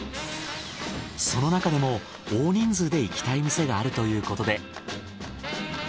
そのなかでも大人数で行きたい店があるということで。